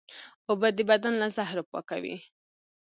اوبه د بدن له زهرو پاکوي